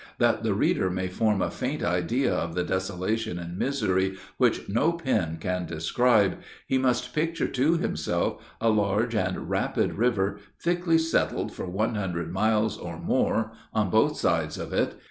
That the reader may form a faint idea of the desolation and misery, which no pen can describe, he must picture to himself a large and rapid river, thickly settled for one hundred miles or more on both sides of it.